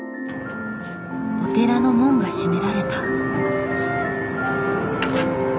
お寺の門が閉められた。